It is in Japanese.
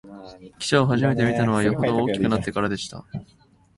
汽車をはじめて見たのは、よほど大きくなってからでした